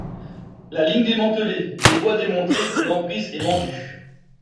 La ligne démantelée, les voies démontées, l'emprise est vendue.